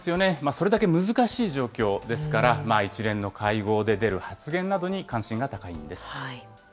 それだけ難しい状況ですから、一連の会合で出る発言などに関心が高いんです。